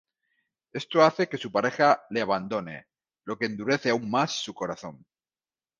Esto hace que su pareja le abandone lo que endurece aún más su corazón.